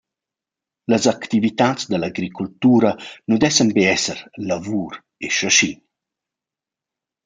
Las activitats da l’agricultura nu dessan be esser lavur e schaschin.